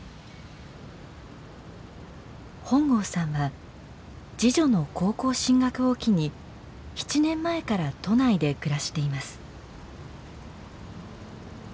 本郷さんは次女の高校進学を機に７年前から都内で暮らしています。